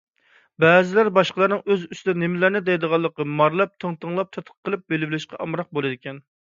بەزىلەر باشقىلارنىڭ ئۆزى ئۈستىدە نېمىلەرنى دەيدىغانلىقىنى مارىلاپ، تىڭتىڭلاپ، تەتقىق قىلىپ بىلىۋېلىشقا ئامراق بولىدىكەن.